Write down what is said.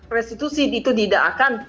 restitusi itu tidak akan